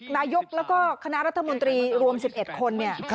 นายกแล้วก็คณะรัฐมนตรีรวม๑๑คนเนี่ย